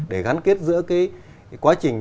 để gắn kết giữa quá trình